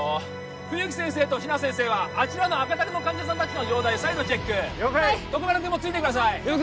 冬木先生と比奈先生はあちらの赤タグの患者さん達の容体再度チェック徳丸君もついてください了解！